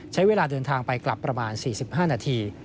ใช้เวลาเดินทางไปกลับประมาณ๔๕นาที